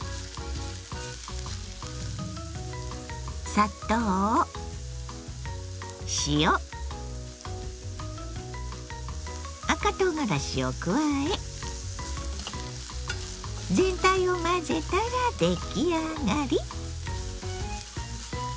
砂糖塩赤とうがらしを加え全体を混ぜたら出来上がり。